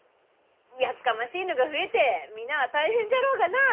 やっかましいのが増えて皆は大変じゃろうがなあ！